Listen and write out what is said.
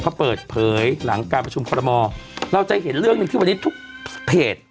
เขาเปิดเผยหลังการประชุมคอรมอเราจะเห็นเรื่องหนึ่งที่วันนี้ทุกเพจ